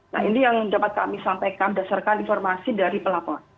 nah ini yang dapat kami sampaikan berdasarkan informasi dari pelapor